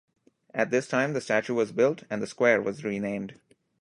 At this time the statue was built, and the square was renamed.